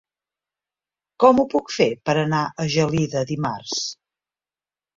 Com ho puc fer per anar a Gelida dimarts?